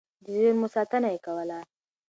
د زېرمو ساتنه يې کوله.